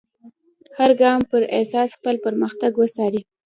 د هر ګام پر اساس خپل پرمختګ وڅارئ.